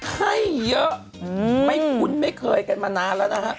ให้เยอะไม่คุ้นไม่เคยกันมานานแล้วนะฮะ